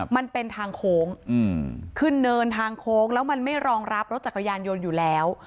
มันเป็นทางโค้งขึ้นเนินทางโค้งแล้วมันไม่รองรับรถจักรยานยนต์อยู่แล้ว